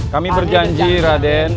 kami berjanji raden